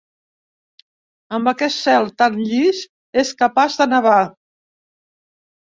Amb aquest cel tan llis, és capaç de nevar.